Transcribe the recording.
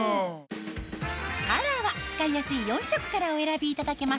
カラーは使いやすい４色からお選びいただけます